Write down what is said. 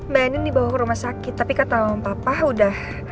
mbak eni dibawa ke rumah sakit tapi kata sama papa udah